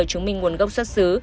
chứng minh nguồn gốc xuất xứ